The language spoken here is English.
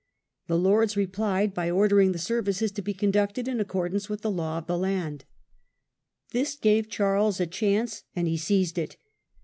The Lords replied religious by Ordering the services to be conducted in division. accordance with the law of the land. This gave Charles a chance, and he seized it.